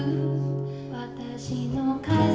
「私の家族」